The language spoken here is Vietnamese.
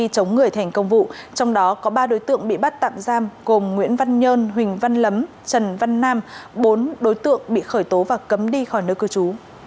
trong đó có ba đối tượng bị bắt tạm giam gồm nguyễn văn nhơn huỳnh văn lấm trần văn nam bốn đối tượng bị khởi tố và cấm đi khỏi nơi cư trú